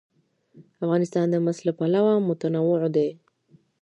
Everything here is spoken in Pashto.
افغانستان د مس له پلوه متنوع دی.